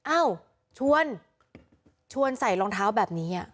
อ้าวชวนชวนใส่รองเท้าแบบนี้